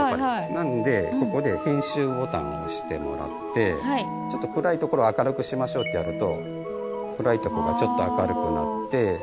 なんでここで編集ボタンを押してもらってちょっと暗いところを明るくしましょうってやると暗いとこがちょっと明るくなって